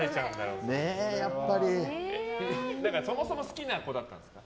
そもそも好きな子だったんですか？